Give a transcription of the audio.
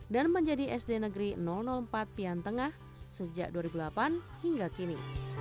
dan menjadi sd negeri empat piantengah sejak dua ribu delapan hingga kini